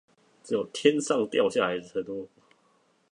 只有天上掉下來的承諾